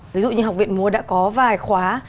ví dụ như học viện múa đã có vài khóa